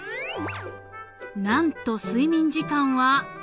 ［何と睡眠時間は］